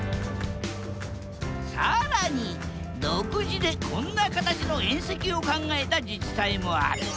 更に独自でこんな形の縁石を考えた自治体もある。